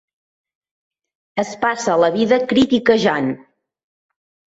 Es passa la vida critiquejant.